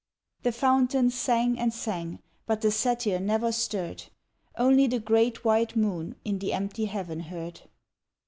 The fountain sang and sang, But the satyr never stirred Only the great white moon In the empty heaven heard.